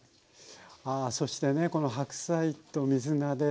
あそしてねこの白菜と水菜で。